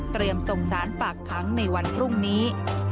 เตรียมส่งสารฝากครั้งในวันพรุ่งนี้